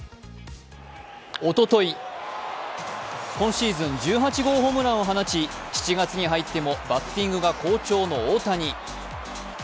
おととい、今シーズン１８号ホームランを放ち、７月に入ってもバッティングが好調の大谷。